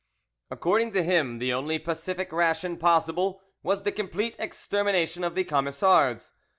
According to him, the only pacific ration possible was the complete extermination of the Camisards.